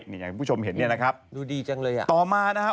นี่อย่างที่ผู้ชมเห็นเนี้ยนะครับดูดีจังเลยอ่ะต่อมานะฮะ